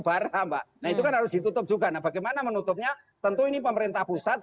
barat mbak nah itu kan harus ditutup juga nah bagaimana menutupnya tentu ini pemerintah pusat